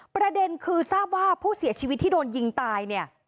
ประเด็นคือทราบว่าผู้เสียชีวิตที่โดนยิงตายเนี่ย